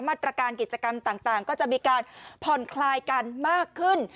มาตรการกิจกรรมต่างก็จะมีการผ่อนคลายกันมากขึ้น